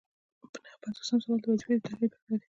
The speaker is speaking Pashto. نهه پنځوسم سوال د وظیفې د تحلیل په اړه دی.